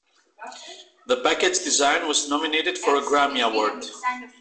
The package design was nominated for a Grammy award.